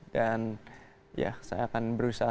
dan ya saya akan berusaha